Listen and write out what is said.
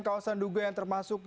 kawasan duga yang termasuk